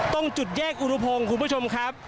ตรงจุดแยกอุรุพงศ์คุณผู้ชมครับ